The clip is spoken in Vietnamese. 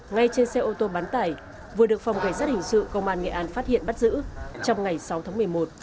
ngay trên xe ô tô bán tải vừa được phòng cảnh sát hình sự công an nghệ an phát hiện bắt giữ trong ngày sáu tháng một mươi một